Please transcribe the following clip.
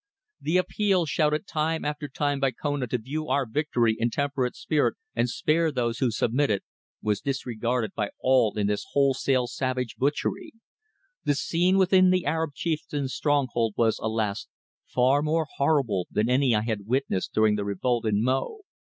The appeal shouted time after time by Kona to view our victory in temperate spirit and spare those who submitted, was disregarded by all in this wholesale savage butchery. The scene within the Arab chieftain's stronghold was, alas! far more horrible than any I had witnessed during the revolt in Mo.